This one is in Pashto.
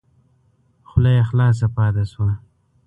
خوله یې خلاصه پاته شوه !